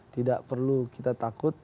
tidak perlu kita takut